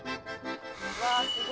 うわーすごい！